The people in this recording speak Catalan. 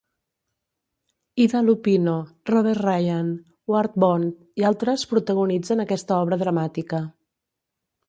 Ida Lupino, Robert Ryan, Ward Bond i altres protagonitzen aquesta obra dramàtica.